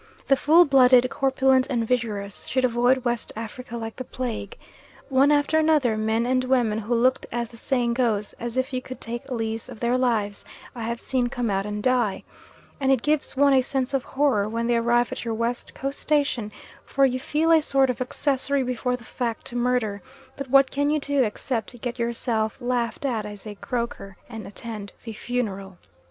The full blooded, corpulent and vigorous should avoid West Africa like the plague. One after another, men and women, who looked, as the saying goes, as if you could take a lease of their lives, I have seen come out and die, and it gives one a sense of horror when they arrive at your West Coast station, for you feel a sort of accessory before the fact to murder, but what can you do except get yourself laughed at as a croaker, and attend the funeral?